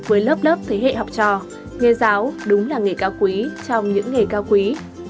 với lớp lớp thế hệ học trò nghề giáo đúng là nghề cao quý trong những nghề cao quý